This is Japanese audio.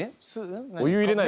お湯を入れない。